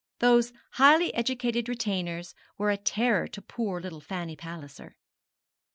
Those highly educated retainers were a terror to poor little Fanny Palliser.